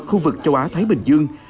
khu vực châu á thái bình dương